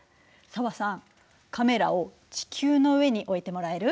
紗和さんカメラを地球の上に置いてもらえる？